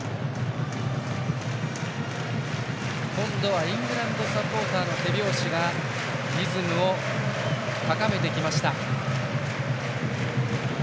今度はイングランドサポーターの手拍子がリズムを高めてきました。